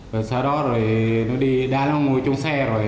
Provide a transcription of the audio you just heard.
rồi sau đó nó đi đã ngồi trong xe rồi